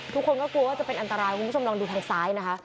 ทุกคนก็กลัวว่าจะเป็นอันตรายคุณผู้ชมลองดูทางซ้ายนะคะ